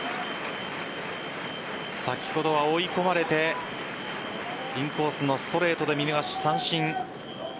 先ほどは追い込まれてインコースのストレートで見逃し三振。